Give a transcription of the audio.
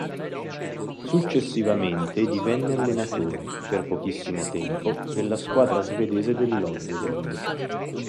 Successivamente divenne allenatore, per pochissimo tempo, della squadra svedese dell'Oddevold.